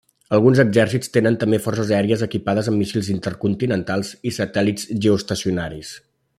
Alguns exèrcits tenen també forces aèries equipades amb míssils intercontinentals i satèl·lits geoestacionaris.